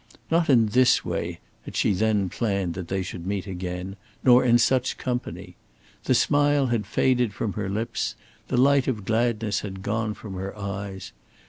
Not in this way had she then planned that they should meet again, nor in such company. The smile had faded from her lips, the light of gladness had gone from her eyes.